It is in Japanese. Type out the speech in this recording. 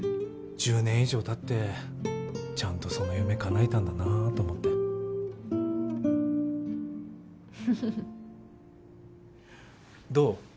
１０年以上たってちゃんとその夢かなえたんだなと思ってフフフどう？